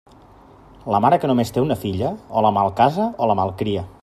La mare que només té una filla, o la malcasa o la malcria.